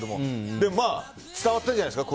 でも伝わったんじゃないですか？